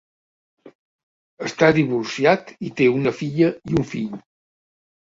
Està divorciat i té una filla i un fill.